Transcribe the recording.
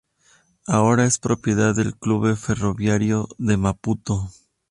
Ahora es propiedad de Clube Ferroviario de Maputo.